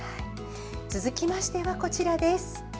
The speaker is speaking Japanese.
続きましてはこちらです。